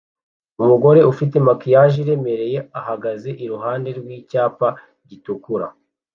Umugore ufite maquillage iremereye ahagaze iruhande rwicyapa gitukura